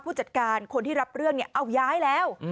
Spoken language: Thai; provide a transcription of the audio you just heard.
ผู้จัดการคนที่รับเรื่องเนี่ยเอาย้ายแล้ว